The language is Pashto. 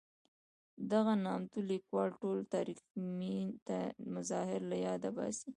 دغه نامتو لیکوال ټول تاریخمن مظاهر له یاده باسي.